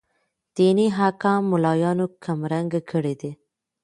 ديني احكام ملايانو کم رنګه کړي دي.